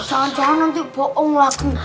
jangan jangan nanti bohong lagi